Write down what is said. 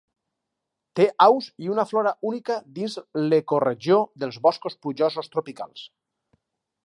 Té aus i una flora única dins l'ecoregió dels boscos plujosos tropicals.